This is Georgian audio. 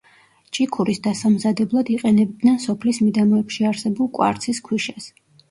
ჭიქურის დასამზადებლად იყენებდნენ სოფლის მიდამოებში არსებულ კვარცის ქვიშას.